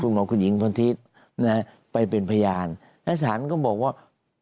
หมอคุณหญิงพรทิพย์นะฮะไปเป็นพยานและสารก็บอกว่า